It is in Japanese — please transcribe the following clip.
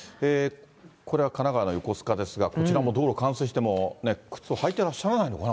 これはかながわの横須賀ですが、こちらも道路冠水して、もう靴を履いてらっしゃらないのかな。